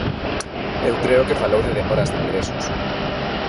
Eu creo que falou de demoras de ingresos.